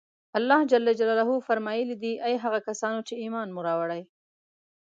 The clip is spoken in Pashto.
الله جل جلاله فرمایلي دي: اې هغه کسانو چې ایمان مو